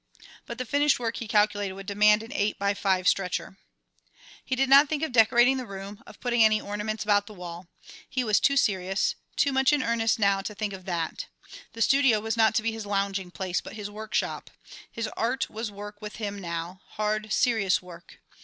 But the finished work he calculated would demand an eight by five stretcher. He did not think of decorating the room, of putting any ornaments about the wall. He was too serious, too much in earnest now to think of that. The studio was not to be his lounging place, but his workshop. His art was work with him now, hard, serious work.